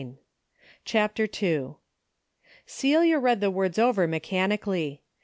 " CHAPTER IL Celia read the words over mechanically.